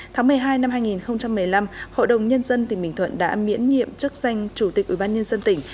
tháng một mươi hai năm hai nghìn một mươi năm hội đồng nhân dân tỉnh bình thuận đã miễn nhiệm chức danh chủ tịch ủy ban nhân dân tỉnh